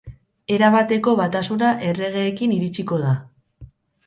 Erabateko batasuna erregeekin iritsiko da.